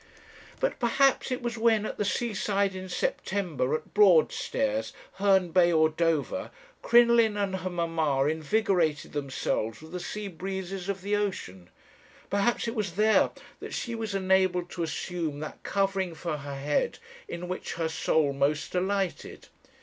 "But perhaps it was when at the seaside in September, at Broadstairs, Herne Bay, or Dover, Crinoline and her mamma invigorated themselves with the sea breezes of the ocean perhaps it was there that she was enabled to assume that covering for her head in which her soul most delighted.